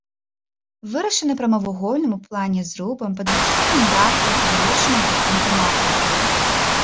Вырашана прамавугольным у плане зрубам пад двухсхільным дахам, завершаным па цэнтры макаўкай.